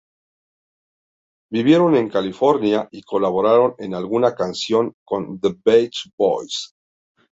Vivieron en California, y colaboraron en alguna canción con The Beach Boys.